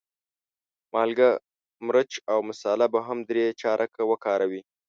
مالګه، مرچ او مساله به هم درې چارکه وکاروې.